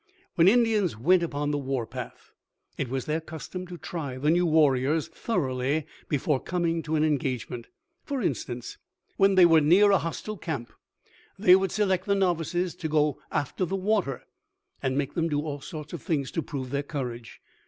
When Indians went upon the war path, it was their custom to try the new warriors thoroughly before coming to an engagement. For instance, when they were near a hostile camp, they would select the novices to go after the water and make them do all sorts of things to prove their courage.